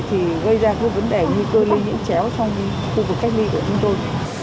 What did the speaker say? thì gây ra các vấn đề nguy cơ lây nhiễm chéo trong khu vực cách ly của chúng tôi